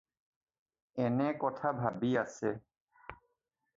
এনে কথা ভাবি আছে